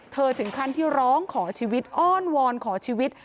ถึงขั้นที่ร้องขอชีวิตอ้อนวอนขอชีวิต